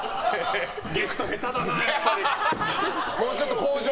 ゲスト下手だな、やっぱり。